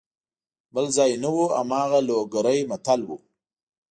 بل ځای نه وو هماغه لوګری متل وو.